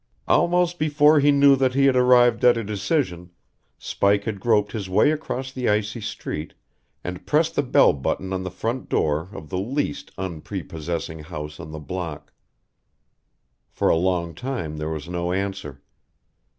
Almost before he knew that he had arrived at a decision, Spike had groped his way across the icy street and pressed the bell button on the front door of the least unprepossessing house on the block. For a long time there was no answer.